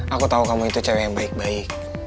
aku tahu kamu itu cewek yang baik baik